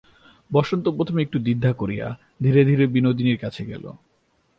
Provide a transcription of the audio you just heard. বসন্ত প্রথমে একটু দ্বিধা করিয়া, ধীরে ধীরে বিনোদিনীর কাছে গেল।